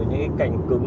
cái cành cứng